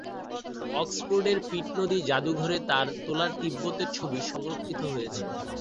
অক্সফোর্ডের Pitt নদী জাদুঘরে তার তোলা তিব্বতের ছবি সংরক্ষিত রয়েছে।